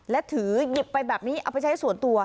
และถือหยิบไปแบบนี้เอาไปใช้ส่วนตัว